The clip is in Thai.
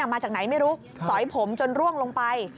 มาจากไหนไม่รู้สอยผมจนร่วงลงไป